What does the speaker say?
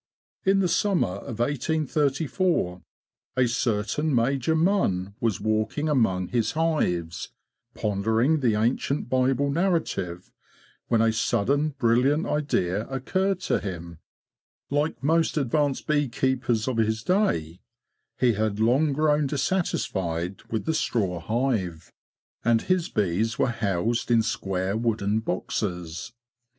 In the summer of 1834 a certain Major Munn was walking among his hives, pondering the ancient Bible narrative, when a sudden brilliant idea occurred to him. Like most advanced bee keepers 216 THE BEE MASTER OF WARRILOW of his day, he had long grown dissatisfied with the straw hive, and his bees were housed in square wooden boxes.